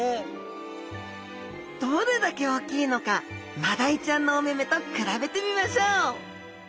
どれだけ大きいのかマダイちゃんのお目々と比べてみましょう！